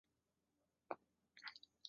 我们没有血缘关系